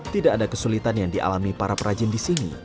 tidak ada kesulitan yang dialami para perajin di sini